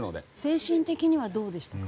精神的にはどうでしたか？